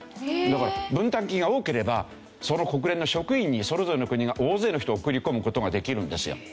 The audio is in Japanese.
だから分担金が多ければその国連の職員にそれぞれの国が大勢の人を送り込む事ができるんですよ。